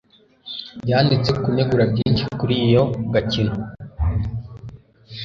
Yanditse kunegura byinshi kuri iyo gakino